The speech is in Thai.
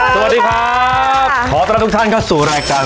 ขอบกันรับทุกท่านเข้าสู่รายการ